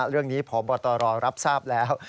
เรื่องนี้พอบัตรรองรับทราบแล้ว